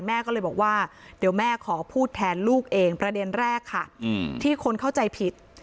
แม่ก็เลยบอกว่าเดี๋ยวแม่ขอพูดแทนลูกเองประเด็นแรกค่ะที่คนเข้าใจผิด